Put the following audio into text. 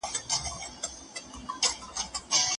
د بدن انسولین اندازه وساتل شوه.